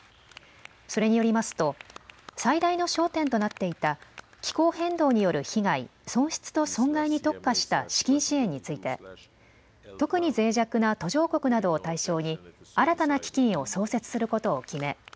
それによりますと最大の焦点となっていた気候変動による被害、損失と損害に特化した資金支援について特にぜい弱な途上国などを対象に新たな基金を創設することを決め